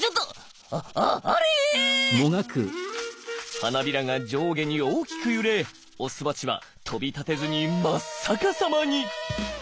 花びらが上下に大きく揺れオスバチは飛び立てずに真っ逆さまに！